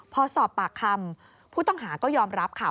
พอสอบปากคำผู้ต้องหาก็ยอมรับค่ะ